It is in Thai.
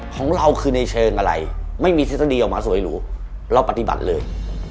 ของเราคือในเชิงอะไรไม่มีทฤษฎีออกมาสวยหรูเราปฏิบัติเลย